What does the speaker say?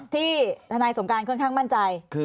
ที่ทนายสงการค่อนข้างมั่นใจ